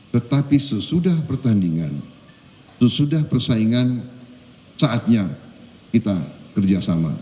tetapi sesudah pertandingan sesudah persaingan saatnya kita kerjasama